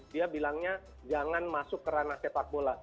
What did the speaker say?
dia bilangnya jangan masuk ke ranah sepak bola